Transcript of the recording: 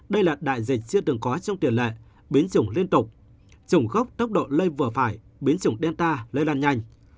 đây là đại dịch chưa từng có trong tiền lệ biến chủng liên tục chủng khốc tốc độ lây vừa phải biến chủng delta lây lan nhanh